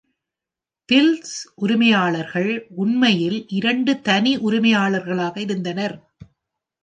Bills உரிமையாளர்கள் உண்மையில் இரண்டு தனி உரிமையாளர்களாக இருந்தனர்.